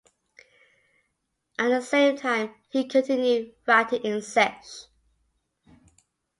At the same time he continued writing in Czech.